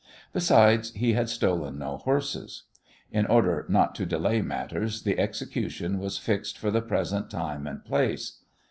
Besides, he had stolen no horses. In order not to delay matters, the execution was fixed for the present time and place.